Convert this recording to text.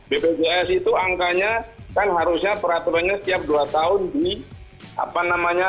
bpjs itu angkanya kan harusnya peraturannya setiap dua tahun di apa namanya